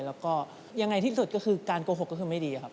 แล้วก็ยังไงที่สุดก็คือการโกหกก็คือไม่ดีครับ